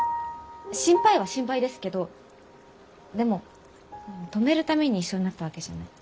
心配は心配ですけどでも止めるために一緒になったわけじゃない。